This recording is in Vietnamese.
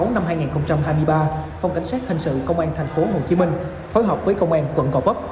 năm hai nghìn hai mươi ba phòng cảnh sát hình sự công an tp hcm phối hợp với công an quận gò vấp